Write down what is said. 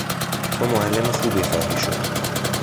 تو معلم خوبی خواهی شد.